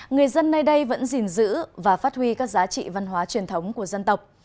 người dân nơi đây vẫn gìn giữ và phát huy các giá trị văn hóa truyền thống của dân tộc